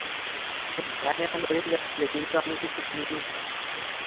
সে ঘ্যানঘ্যান করেই যাচ্ছিল কিন্তু আমি কিছু শুনিনি।